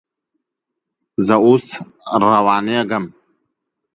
زه اوس روانېږم